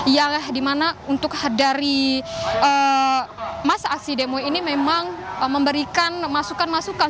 yang dimana untuk dari masa aksi demo ini memang memberikan masukan masukan